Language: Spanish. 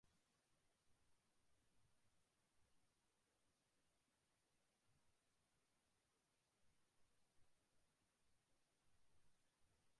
El "Cap Trafalgar" era un trasatlántico nuevo de la línea "Hamburg Süd Amerika Line".